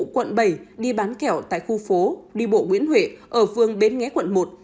quận bảy đi bán kẹo tại khu phố đi bộ nguyễn huệ ở phương bến nghé quận một